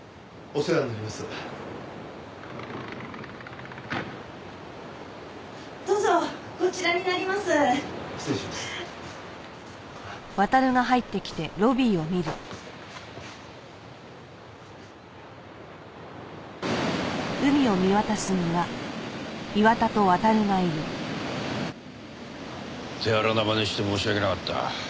手荒なまねして申し訳なかった。